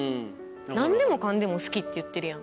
なんでもかんでも好きって言ってるやん。